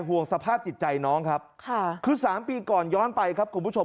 ห่วงสภาพจิตใจน้องครับค่ะคือ๓ปีก่อนย้อนไปครับคุณผู้ชม